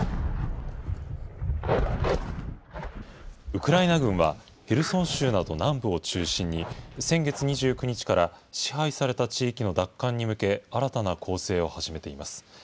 ウクライナ軍は、ヘルソン州など南部を中心に、先月２９日から支配された地域の奪還に向け、新たな攻勢を始めています。